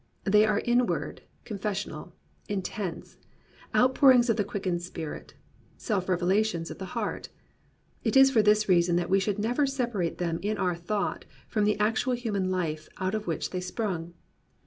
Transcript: They are inward, confessional, intense; outpourings of the quickened spirit; self revelations of the heart. It is for this reason that we should never separate them in our thought from the actual human life out of which they sprung.